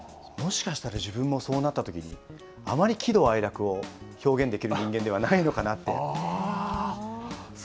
もしかしたら自分もそうなったときに、あまり喜怒哀楽を表現できる人間ではないのかなって。